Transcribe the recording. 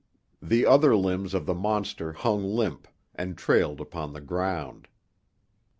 The other limbs of the monster hung limp, and trailed upon the ground.